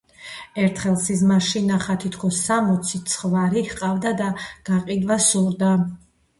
ერთხელ სიზმარი ნახა თითქოს სამოცი ცხვარი ჰყავდა და გაყიდვა სურდა